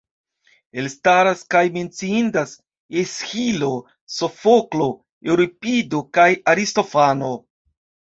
Elstaras kaj menciindas Esĥilo, Sofoklo, Eŭripido kaj Aristofano.